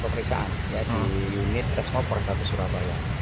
pemeriksaan di unit resmob perhatian surabaya